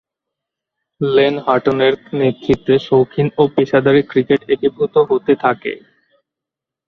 Lane হাটনের নেতৃত্বে শৌখিন ও পেশাদারী ক্রিকেট একীভূত হতে থাকে।